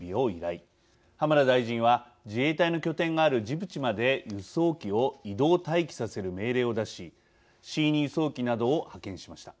浜田大臣は自衛隊の拠点があるジブチまで輸送機を移動・待機させる命令を出しＣ２輸送機などを派遣しました。